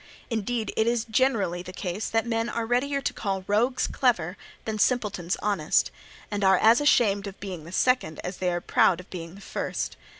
Indeed it is generally the case that men are readier to call rogues clever than simpletons honest, and are as ashamed of being the second as they are proud of being the first.